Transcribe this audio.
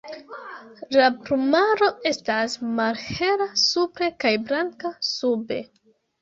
La plumaro estas malhela supre kaj blanka sube.